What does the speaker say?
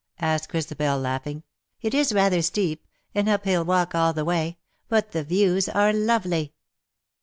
asked Christabel, laughing ;" it is rather steep — an uphill walk all the way ; but the views are lovely."